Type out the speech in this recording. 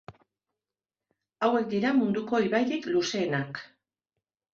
Hauek dira munduko ibairik luzeenak.